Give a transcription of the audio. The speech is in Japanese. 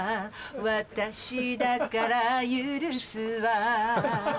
私だから許すわ